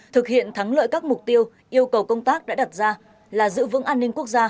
thực hiện thắng lợi các mục tiêu yêu cầu công tác đã đặt ra là giữ vững an ninh quốc gia